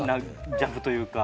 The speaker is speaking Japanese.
ジャブというか。